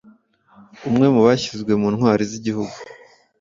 umwe mu bashyizwe mu Ntwari z’igihugu